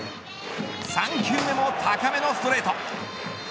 ３球目も高めのストレート。